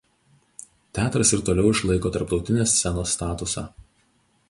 Teatras ir toliau išlaiko tarptautinės scenos statusą.